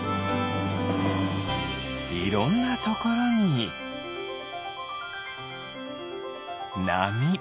いろんなところになみ。